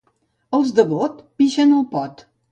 Els de Bot pixen al pot.